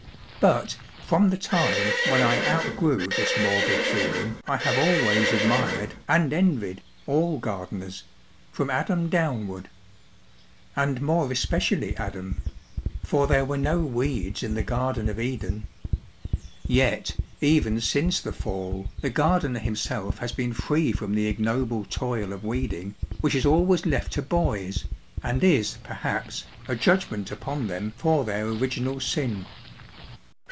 But from the time when I outgrew this morbid feeling I have always admired and envied all gardeners, from Adam downward. And more especially Adam ; for there were no weeds in the Garden of Eden. Yet, even since the Fall, the gardener himself has been free from the ignoble toil of weeding, which is always left to boys, and is, perhaps, a judgment upon them for their original sin.